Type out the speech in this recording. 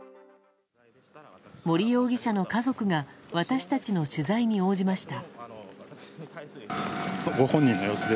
森容疑者の家族が私たちの取材に応じました。